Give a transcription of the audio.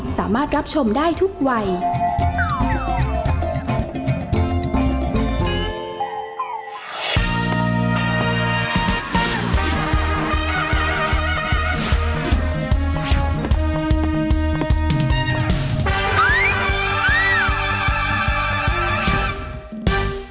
แม่บ้านประจันบรรย์สวัสดีค่ะ